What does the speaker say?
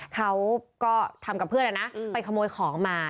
เขาก็ทำกับเพื่อนนะไปขโมยของมา